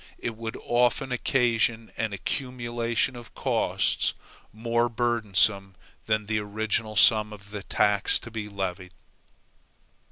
It would often occasion an accumulation of costs, more burdensome than the original sum of the tax to be levied.